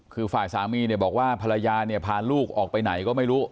คือฝ่ายสามีบอกว่าภรรยาพาลูกออกไปไหนก็ไม่รู้